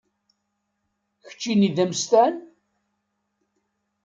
Keččini d amsestan?